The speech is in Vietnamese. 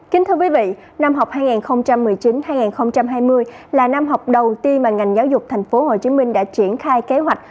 kính thưa quý vị năm học hai nghìn một mươi chín hai nghìn hai mươi là năm học đầu tiên mà ngành giáo dục tp hcm đã triển khai kế hoạch